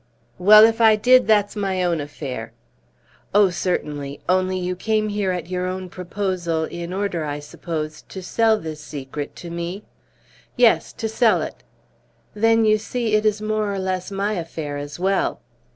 "Well, if I did, that's my own affair." "Oh, certainly. Only you came here at your own proposal in order, I suppose, to sell this secret to me?" "Yes, to sell it." "Then, you see, it is more or less my affair as well."